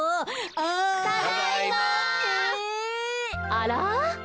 あら？